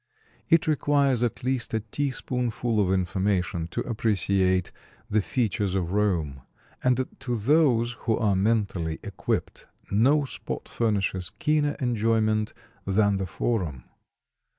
It requires at least a teaspoonful of information to appreciate the features of Rome; and to those who are mentally equipped no spot furnishes keener enjoyment than the Forum.